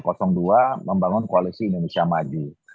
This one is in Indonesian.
dan juga membangun koalisi indonesia maju